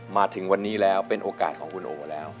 มาถึงวันนี้แล้วเป็นโอกาสของคุณโอแล้ว